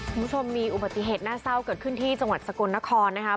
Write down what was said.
คุณผู้ชมมีอุบัติเหตุน่าเศร้าเกิดขึ้นที่จังหวัดสกลนครนะครับ